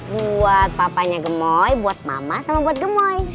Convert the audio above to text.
buat papanya gemoy buat mama sama buat gemoy